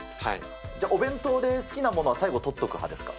じゃあ、お弁当で好きなものは最後に取っておく派ですか。